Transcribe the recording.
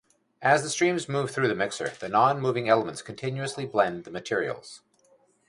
As the streams move through the mixer, the non-moving elements continuously blend the materials.